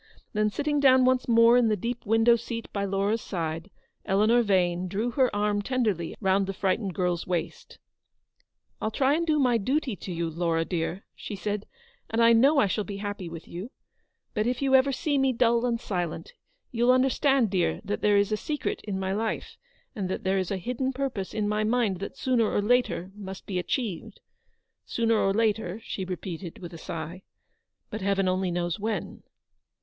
Then sitting down once more in the deep window seat by Laura's side, Eleanor Vane drew her arm tenderly round the frightened girls waist. a I'll try and do my duty to you, Laura, dear/' 268 Eleanor's victory. she said, " and I know I shall be happy with yon. But if ever you see me dull and silent, you'll understand, dear, that there is a secret in my life, and that there is a hidden purpose in my mind that sooner or later must be achieved. Sooner or later," she repeated, with a sigh, "but Heaven only knows when."